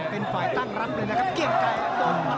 เป็นฝ่ายตั้งรับเลยนะครับเกียรไก่